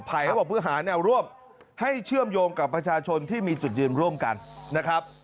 เขาบอกเพื่อหาแนวร่วมให้เชื่อมโยงกับประชาชนที่มีจุดยืนร่วมกันนะครับ